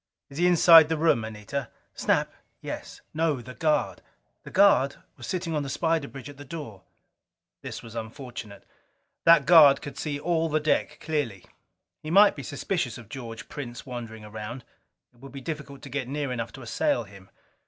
"Is he inside the room, Anita?" "Snap? Yes." "No the guard." "The guard was sitting on the spider bridge at the door." This was unfortunate. That guard could see all the deck clearly. He might be suspicious of George Prince wandering around: it would be difficult to get near enough to assail him.